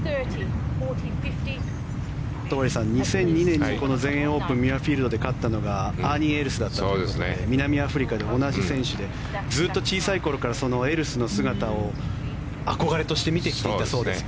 戸張さん、２００２年にミュアフィールドで勝ったのがアーニー・エルスだったということで南アフリカで同じ選手でずっと小さい頃からそのエルスの姿を憧れとして見てきたそうです